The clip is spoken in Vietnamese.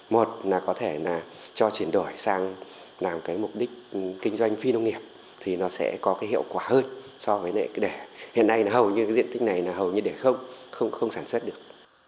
một là có thể cho chuyển đổi sang làm mục đích kinh doanh phi nông nghiệp thì nó sẽ có hiệu quả hơn so với hiện nay hầu như diện tích này để không sản xuất được